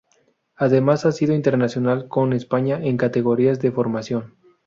Además ha sido internacional con España en categorías de formación.